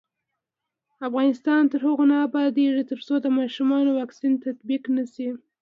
افغانستان تر هغو نه ابادیږي، ترڅو د ماشومانو واکسین تطبیق نشي.